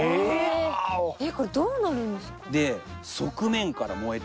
えっこれどうなるんですか？